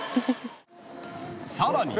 ［さらに］